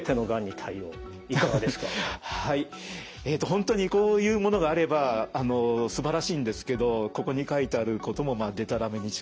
本当にこういうものがあればすばらしいんですけどここに書いてあることもでたらめに近い。